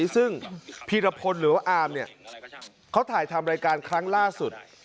ซึ่งพีรพลหรือว่าอามเนี่ยเขาถ่ายทำรายการครั้งล่าสุด